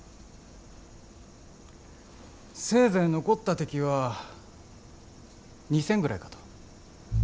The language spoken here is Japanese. せいぜい残った敵は２，０００ぐらいかと。